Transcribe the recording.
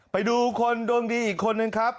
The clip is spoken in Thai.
ไปดูคนดวงดีอีกคนนึงครับ